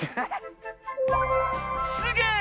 すげ！